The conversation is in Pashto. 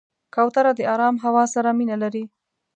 کوتره د آرام هوا سره مینه لري.